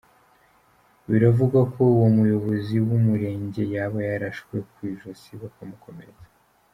Biravugwa ko uwo muyobozi w’umurenge yaba yarashwe ku ijosi bakamukomeretsa.